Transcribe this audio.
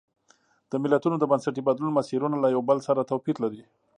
د ملتونو د بنسټي بدلون مسیرونه له یو بل سره توپیر لري.